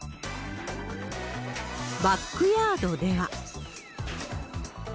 バックヤードでは。